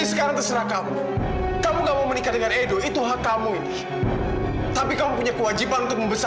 cukup ini percuma berdebar dari kamu ini kamu terlalu egois